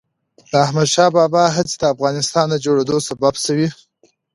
د احمد شاه بابا هڅې د افغانستان د جوړېدو سبب سوي.